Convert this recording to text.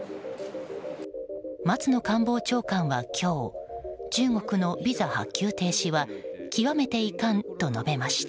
松野官房長官は今日中国のビザ発給停止は極めて遺憾と述べました。